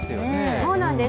そうなんです。